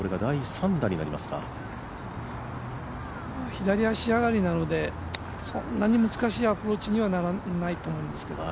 左足上がりなのでそんなの難しいアプローチにはならないと思います。